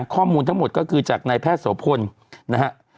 ข้อมูลทั้งหมดก็คือจากนายแพทย์โสพลนะฮะ